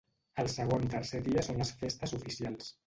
El segon i tercer dia són les festes oficials.